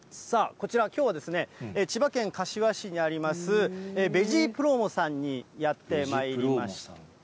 こちら、きょうは千葉県柏市にあります、ベジプロモさんにやってまいりました。